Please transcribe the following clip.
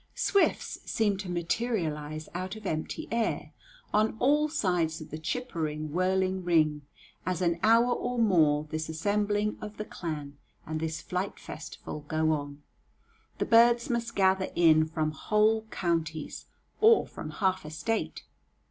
Swifts seem to materialize out of empty air on all sides of the chippering, whirling ring, as an hour or more this assembling of the clan and this flight festival go on. The birds must gather in from whole counties, or from half a State.